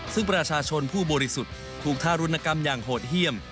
ซึ่งประชาชนผู้บริสุทธิ์ถูกทารุณกรรมอย่างโหดเยี่ยม